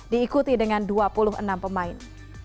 diikuti dengan dua puluh enam pemain